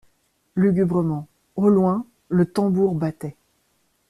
Lugubrement, au loin, le tambour battait.